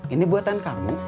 ini buatan kamu